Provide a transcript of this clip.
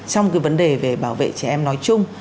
trong cái vấn đề về bảo vệ trẻ em nói chung